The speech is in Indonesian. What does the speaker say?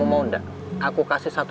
mas mc aku ingat